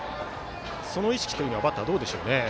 その意識というのはバッター、どうでしょうね。